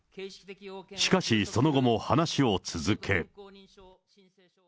しかし、その後も話を続け。